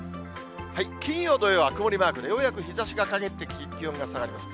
金曜、土曜は曇りマークで、ようやく日ざしがかげって、気温が下がります。